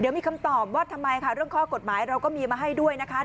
เดี๋ยวมีคำตอบว่าทำไมค่ะเรื่องข้อกฎหมายเราก็มีมาให้ด้วยนะคะ